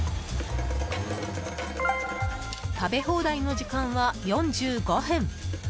食べ放題の時間は４５分。